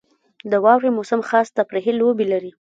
• د واورې موسم خاص تفریحي لوبې لري.